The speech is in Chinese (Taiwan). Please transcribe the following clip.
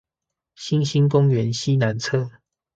新興公園西南側